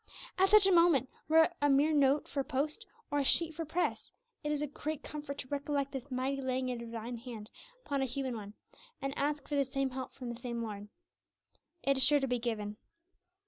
At such a moment, whether it were a mere note for post, or a sheet for press, it is a great comfort to recollect this mighty laying of a Divine hand upon a human one, and ask for the same help from the same Lord. It is sure to be given!